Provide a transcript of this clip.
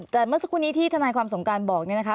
แต่เมื่อสักครู่นี้ที่ทนายความสงการบอกเนี่ยนะคะ